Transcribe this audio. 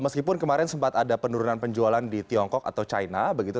meskipun kemarin sempat ada penurunan penjualan di tiongkok atau china begitu